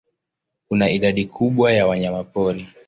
Kuna idadi kubwa ya wanyamapori.